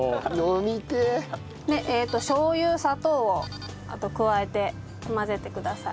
しょう油砂糖をあと加えて混ぜてください。